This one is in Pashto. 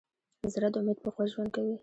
زړه د امید په قوت ژوند کوي.